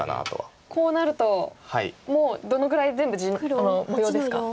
こうなるともうどのぐらい模様ですか？